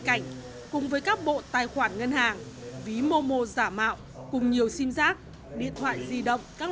cảnh cùng với các bộ tài khoản ngân hàng ví momo giả mạo cùng nhiều sim giác điện thoại di động các